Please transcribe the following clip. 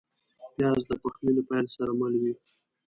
پیاز د پخلي له پیل سره مل وي